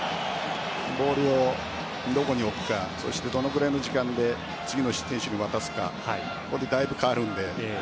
ボールをどこに置くかそして、どのくらいの時間で次の人に渡すかでだいぶ変わるので。